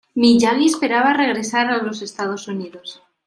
Miyagi esperaba regresar a los Estados Unidos.